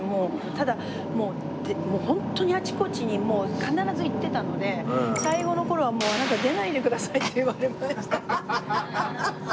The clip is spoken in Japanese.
ただもうホントにあちこちに必ず行ってたので最後の頃はもう「あなた出ないでください」って言われました。